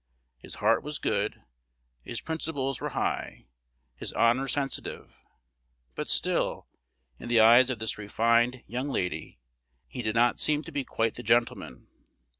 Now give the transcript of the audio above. His heart was good, his principles were high, his honor sensitive; but still, in the eyes of this refined, young lady, he did not seem to be quite the gentleman.